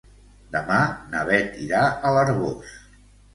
Demà na Beth irà a l'Arboç.